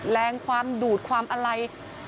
แรงความดูดความอะไร